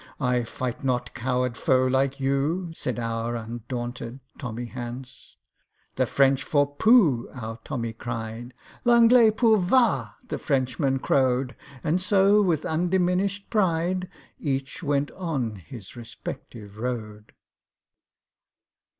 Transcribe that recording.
"I fight not coward foe like you!" Said our undaunted TOMMY HANCE. "The French for 'Pooh!'" our TOMMY cried. "L'Anglais pour 'Va!'" the Frenchman crowed. And so, with undiminished pride, Each went on his respective road.